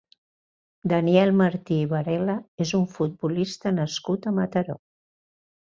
Daniel Martí i Varela és un futbolista nascut a Mataró.